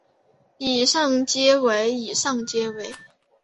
以上皆为以上皆为